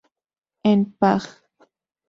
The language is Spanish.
En, pág.